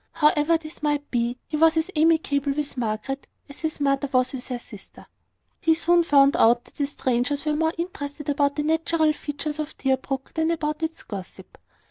However this might be, he was as amicable with Margaret as his mother was with her sister. He soon found out that the strangers were more interested about the natural features of Deerbrook than about its gossip.